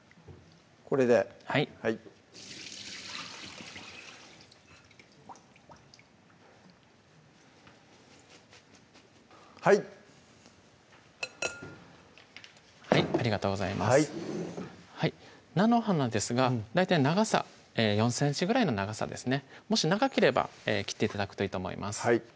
これではいはいはいありがとうございます菜の花ですが大体長さ４ｃｍぐらいの長さですねもし長ければ切って頂くといいと思います